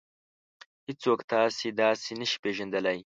هېڅوک تاسې داسې نشي پېژندلی.